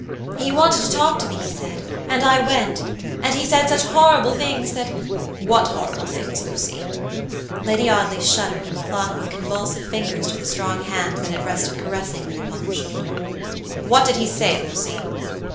"He wanted to talk to me, he said, and I went, and he said such horrible things that" "What horrible things, Lucy?" Lady Audley shuddered, and clung with convulsive fingers to the strong hand that had rested caressingly upon her shoulder. "What did he say, Lucy?"